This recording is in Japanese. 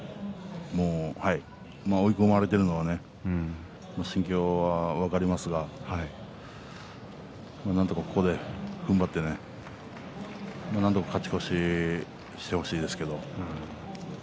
追い込まれている心境は分かりますがなんとか、ここでふんばって勝ち越ししてほしいですけど。